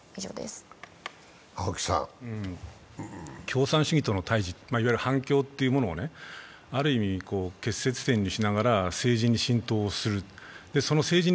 共産主義との対峙、いわゆる反共というものをある意味、結節点にしながら政治に浸透する。